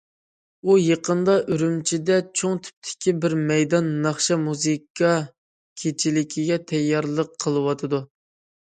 ئۇ يېقىندا ئۈرۈمچىدە چوڭ تىپتىكى بىر مەيدان ناخشا- مۇزىكا كېچىلىكىگە تەييارلىق قىلىۋاتىدۇ.